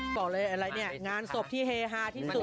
บอกเลยอะไรเนี่ยงานศพที่เฮฮาที่สุด